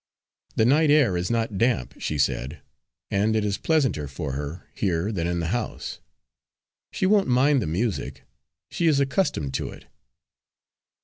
"The night air is not damp," she said, "and it is pleasanter for her here than in the house. She won't mind the music; she is accustomed to it."